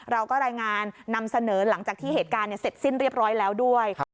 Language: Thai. เราก็รายงานนำเสนอหลังจากที่เหตุการณ์เสร็จสิ้นเรียบร้อยแล้วด้วย